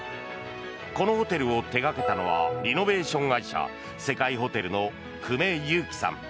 このホテルを手掛けたのはリノベーション会社ＳＥＫＡＩＨＯＴＥＬの久米佑宜さん。